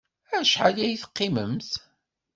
Acḥal ay teqqimemt?